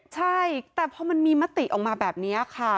ใช่แต่พอมันมีมติออกมาแบบนี้ค่ะ